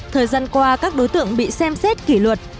thời gian qua các đối tượng bị xem xét kỷ luật